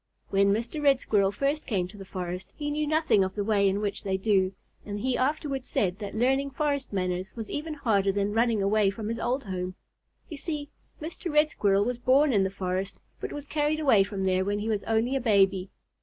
When Mr. Red Squirrel first came to the forest, he knew nothing of the way in which they do, and he afterward said that learning forest manners was even harder than running away from his old home. You see, Mr. Red Squirrel was born in the forest, but was carried away from there when he was only a baby.